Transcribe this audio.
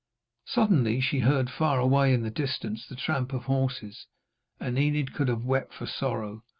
Suddenly she heard far away in the distance the tramp of horses, and Enid could have wept for sorrow.